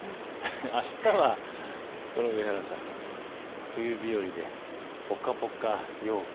あしたは冬日和でぽかぽか陽気。